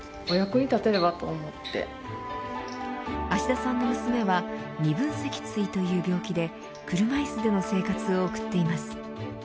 芦田さんの娘は二分脊椎という病気で車いすでの生活を送っています。